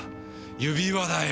指輪だよ。